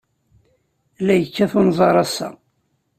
La yekkat unẓar, ass-a.